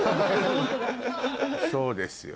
そうですよ。